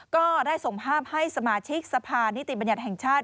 ก็ได้ส่งภาพให้สมาชิกสภานิติบัญญัติแห่งชาติ